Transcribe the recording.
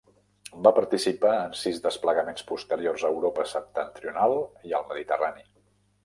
Va participar en sis desplegaments posteriors a Europa septentrional i el Mediterrani.